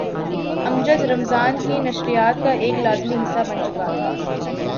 امجد رمضان کی نشریات کا ایک لازمی حصہ بن چکا تھا۔